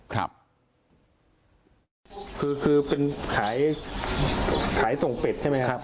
คือคือเป็นขายส่งเป็ดใช่ไหมครับ